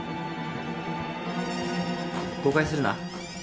誤解するな。